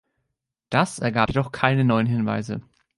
Das ergab jedoch keine neuen Hinweise.